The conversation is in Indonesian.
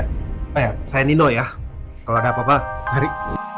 eh saya nino ya kalau ada apa apa cari